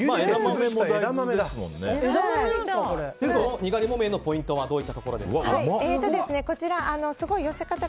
にがり木綿のポイントはどういったところですか？